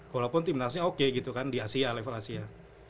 walaupun timnasnya oke gitu kan di asia level asia